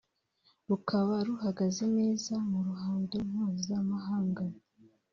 rukaba ruhagaze neza mu ruhando mpuzamahanga